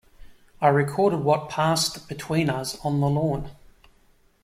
I recorded what passed between us on the lawn.